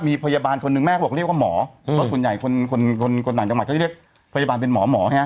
มีพยาบาลคนนึงแม่ก็บอกเรียกว่าหมอ